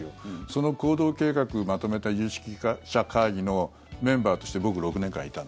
その行動計画をまとめた有識者会議のメンバーとしてえー！？